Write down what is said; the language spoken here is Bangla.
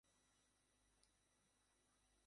আমরা ভিতরে যেতে পারব না।